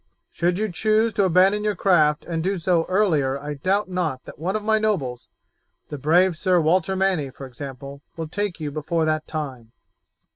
Should you choose to abandon your craft and do so earlier I doubt not that one of my nobles, the brave Sir Walter Manny, for example, will take you before that time."